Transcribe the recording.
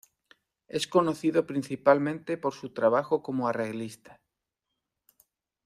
Es conocido principalmente por su trabajo como arreglista.